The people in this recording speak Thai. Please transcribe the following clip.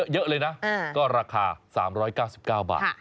เยอะเลยนะก็ราคา๓๙๙บาท